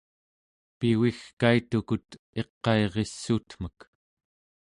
pivigkaitukut iqairissuutmek